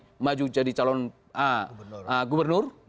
untuk maju jadi calon gubernur